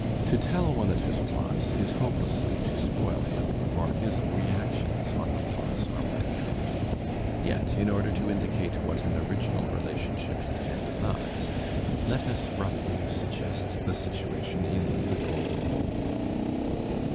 To tell one of his plots is hopelessly to spoil him, for his reactions on the plots are what counts. Yet in order to indicate what an original relationship he can devise, let us roughly suggest the situation in "The Grolden Bowl."